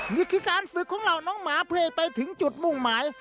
นี่คือการฝึกของเหล่าน้องหมาเพื่อให้ไปถึงจุดมุ่งหมาย